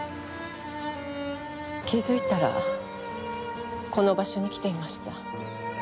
気づいたらこの場所に来ていました。